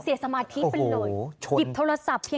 เสียสมาทีไปเลย